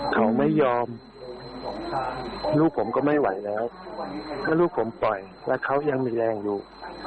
เขาไม่ยอมลูกผมก็ไม่ไหวแล้วถ้าลูกผมปล่อยแล้วเขายังมีแรงอยู่